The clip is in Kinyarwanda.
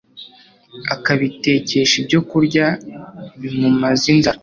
akabitekesha ibyo kurya bimumaze inzara